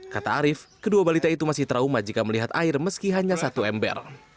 kata arief kedua balita itu masih trauma jika melihat air meski hanya satu ember